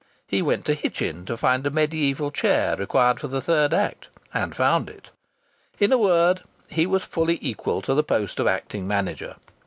He went to Hitchin to find a mediaeval chair required for the third act, and found it. In a word, he was fully equal to the post of acting manager.